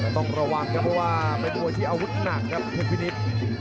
ต้องระวังครับเพราะว่าเป็นมวยที่อาวุธหนักครับคุณพินิษฐ์